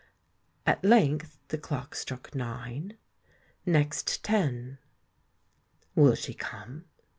At length the clock struck nine—next ten. "Will she come?"